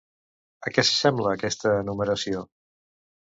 A què s'assembla aquesta enumeració?